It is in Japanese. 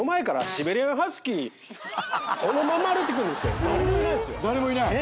誰もいない⁉怖っ！